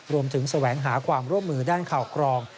แสวงหาความร่วมมือด้านข่าวกรอง